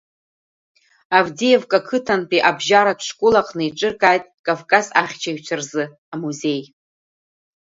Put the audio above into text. Авдеевка ақыҭантәи абжьаратә школ аҟны еиҿыркааит Кавказ ахьчаҩцәа рзы амузеи.